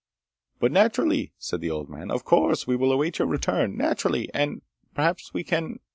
"But naturally," said the old man. "Of course. We will await your return. Naturally! And ... perhaps we can